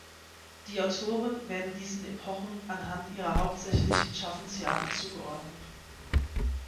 Die Autoren werden diesen Epochen anhand ihrer hauptsächlichen Schaffensjahre zugeordnet.